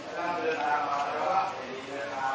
ก็อยากได้เลย